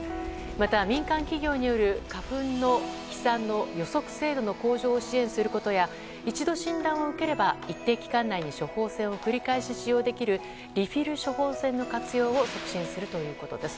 また、民間企業による花粉の飛散の予測精度の向上を支援することや一度、診断を受ければ一定期間内に処方箋を繰り返し使用できるリフィル処方箋の活用を促進するということです。